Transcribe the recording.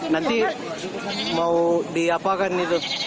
nanti mau di apa kan itu